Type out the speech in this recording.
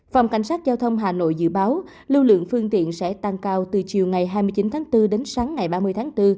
phòng cảnh sát giao thông hà nội dự báo lưu lượng phương tiện sẽ tăng cao từ chiều ngày hai mươi chín tháng bốn đến sáng ngày ba mươi tháng bốn